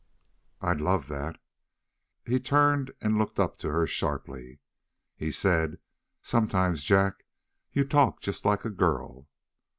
"I'd love that!" He turned and looked up to her sharply. He said: "Sometimes, Jack, you talk just like a girl."